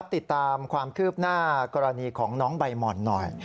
ติดตามความคืบหน้ากรณีของน้องใบหม่อนหน่อย